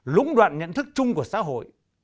lúng đoạn nhận thức chung của xã hội